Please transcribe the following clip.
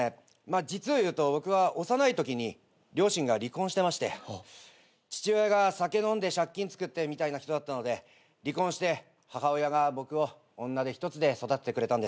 実を言うと僕は幼いときに両親が離婚してまして父親が酒飲んで借金つくってみたいな人だったので離婚して母親が僕を女手一つで育ててくれたんです。